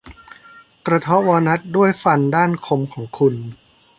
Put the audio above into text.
กระเทาะวอลนัทด้วยฟันด้านคมของคุณ